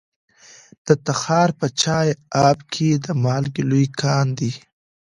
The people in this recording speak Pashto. د تخار په چاه اب کې د مالګې لوی کان دی.